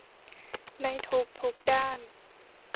ในทุกทุกด้าน